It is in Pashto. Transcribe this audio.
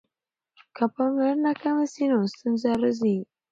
که پاملرنه کمه سي نو ستونزه راځي.